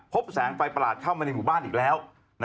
แสงไฟประหลาดเข้ามาในหมู่บ้านอีกแล้ว